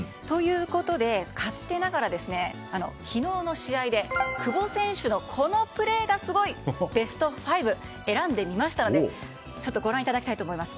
勝手ながら昨日の試合で久保選手のこのプレーがすごいベスト５を選んでみましたのでご覧いただきたいと思います。